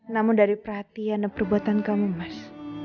namun dari perhatian dan perbuatan kamu mas